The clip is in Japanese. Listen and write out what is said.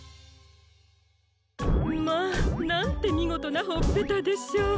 まぁなんてみごとなほっぺたでしょう。